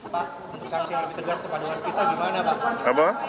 pak untuk saksi yang lebih tegar kepada waskita gimana pak